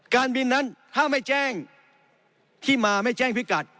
การบินนั้นถ้าไม่แจ้งที่มาไม่แจ้งพิกัด